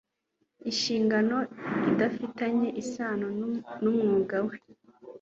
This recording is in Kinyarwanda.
inshingano idafitanye isano n'umwuga we